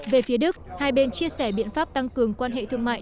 về phía đức hai bên chia sẻ biện pháp tăng cường quan hệ thương mại